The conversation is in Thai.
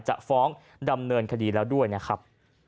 จะฟ้องดำเนินคดีแล้วด้วยนะครับ